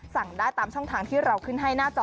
สั่งได้ตามช่องทางที่เราขึ้นให้หน้าจอ